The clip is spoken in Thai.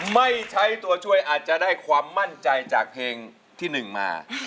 ไม่ใช้ตัวช่วยอาจจะได้ความมั่นใจจากเพลงที่๑มา